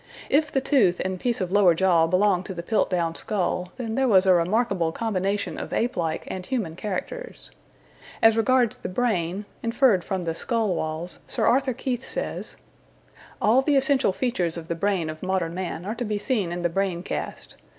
If the tooth and piece of lower jaw belong to the Piltdown skull, then there was a remarkable combination of ape like and human characters. As regards the brain, inferred from the skull walls, Sir Arthur Keith says: All the essential features of the brain of modern man are to be seen in the brain cast.